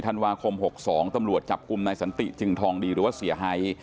ธันวาคม๖๒ตำรวจจับกลุ่มนายสันติจึงทองดีหรือว่าเสียหาย